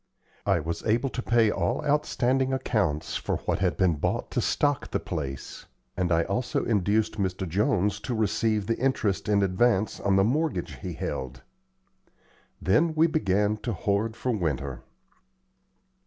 I was able to pay all outstanding accounts for what had been bought to stock the place, and I also induced Mr. Jones to receive the interest in advance on the mortgage he held. Then we began to hoard for winter.